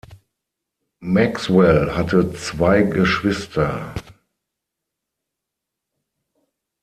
Maxwell hatte zwei Geschwister.